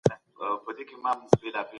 موږ د خپلو حقونو غوښتنه وکړه.